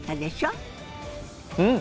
うん！